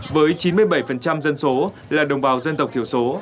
với chín mươi bảy dân số là đồng bào dân tộc thiểu số